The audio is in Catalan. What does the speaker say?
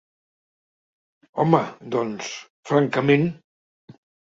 Home, doncs, francament...